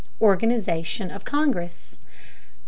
ORGANIZATION OF CONGRESS 548.